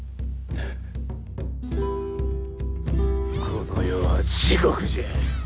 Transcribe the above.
この世は地獄じゃ！